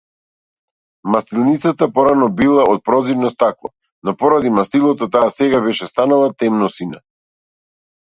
Мастилницата порано била од проѕирно стакло, но поради мастилото таа сега беше станала темносина.